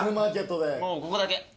もうここだけ。